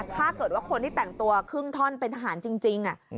ถ้าเกิดว่าคนที่แต่งตัวครึ่งท่อนเป็นทหารจริง